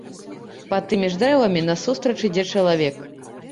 Пад тымі ж дрэвамі насустрач ідзе чалавек.